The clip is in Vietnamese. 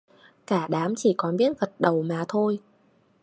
Cả đám chỉ còn biết gật đầu mà thôi